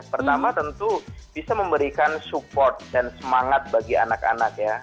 pertama tentu bisa memberikan support dan semangat bagi anak anak ya